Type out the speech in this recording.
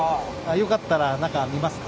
よかったら中見ますか？